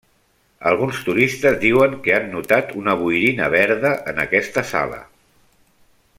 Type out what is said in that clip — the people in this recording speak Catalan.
Alguns turistes diuen que han notat una boirina verda en aquesta sala.